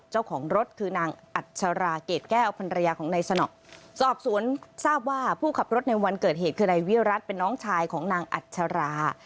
เจ้าของรถคือนางอัชราเกรดแก้วพันรยาของนายสนอสอบสวนทราบว่าผู้ขับรถในวันเกิดเหตุคือนายวิรัติเป็นน้องชายของนางอัชรา